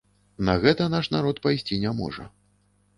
На гэта наш народ пайсці не можа.